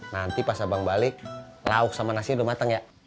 nanti pas abang balik lauk sama nasinya udah matang ya